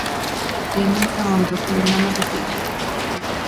E a moita honra, poderiamos dicir.